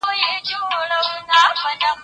واقعي پوښتنې اوسني حالت ته ګوري.